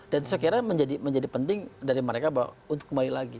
dan saya kira menjadi penting dari mereka untuk kembali lagi